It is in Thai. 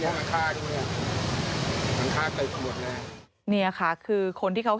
นี่ค่ะคือคนที่เขาเห็นเหตุการณ์